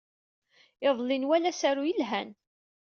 Iḍelli, nwala asaru ye lhan.